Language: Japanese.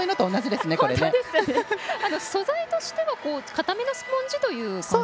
素材としては固めのスポンジのような。